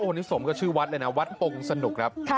นี่สมกับชื่อวัดเลยนะวัดปงสนุกครับ